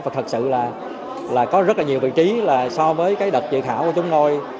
và thật sự là có rất là nhiều vị trí là so với cái đợt dự thảo của chúng tôi